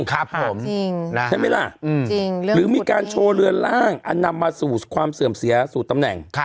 ครับผมจริงใช่ไหมล่ะหรือมีการโชว์เรือนล่างอันนำมาสู่ความเสื่อมเสียสู่ตำแหน่ง